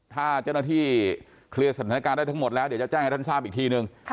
ถ้าเจ้าหน้าที่เคลียร์สถานการณ์ได้ทั้งหมดแล้วเดี๋ยวจะแจ้งให้ท่านทราบอีกทีนึง